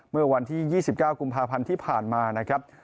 เมื่อวันที่๒๙กุมภาพันธ์ที่ผ่านมานะครับ